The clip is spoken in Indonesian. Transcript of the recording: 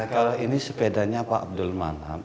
kalau ini sepedanya pak abdul manam